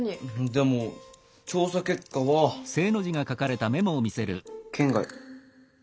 でも調査結果は圏外。